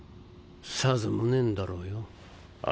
さぞ無念だろうよ。